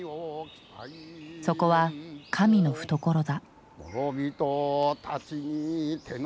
そこは神の懐だ。